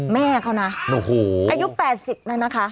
แม่เขาน่ะโอ้โหอายุแปดสิบไหมนะคะ